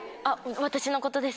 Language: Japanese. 私のことです。